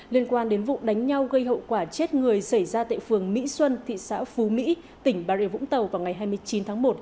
liên quan đến vụ đánh nhau gây hậu quả chết người xảy ra tại phường mỹ xuân thị xã phú mỹ tỉnh bà rịa vũng tàu vào ngày hai mươi chín tháng một